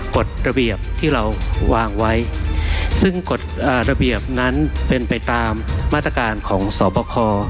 กฎระเบียบที่เราวางไว้ซึ่งกฎระเบียบนั้นเป็นไปตามมาตรการของสบค